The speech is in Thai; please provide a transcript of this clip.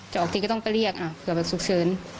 แต่บางทีก็ต้องไปเรียกเผื่อสุขเสริญ